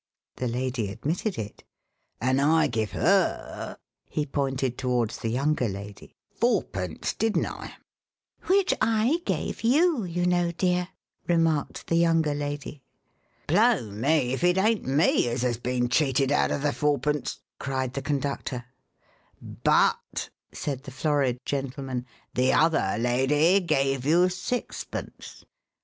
The lady admitted it. "An' I give 'er" he pointed towards the younger lady "fourpence, didn't I?" "Which I gave you, you know, dear," remarked the younger lady. "Blow me if it ain't me as 'as been cheated out of the fourpence," cried the conductor. "But," said the florid gentleman, "the other lady gave you sixpence."